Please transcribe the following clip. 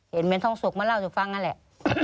เห็นเมนทองสุกมาเล่าให้ฟังนั่นแหละ